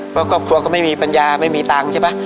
เพราะครอบครัวก็ไม่มีปัญญาไม่มีตังค์ใช่ไหม